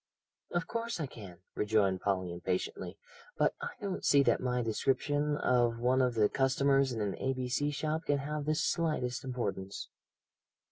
"Of course I can," rejoined Polly impatiently, "but I don't see that my description of one of the customers of an A.B.C. shop can have the slightest importance."